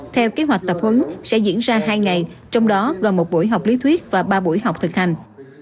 theo kế hoạch tập huấn sẽ diễn ra hai ngày trong đó gồm một buổi học lý thuyết và ba buổi học thực hành